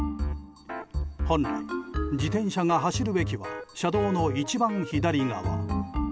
本来、自転車が走るべきは車道の一番左側。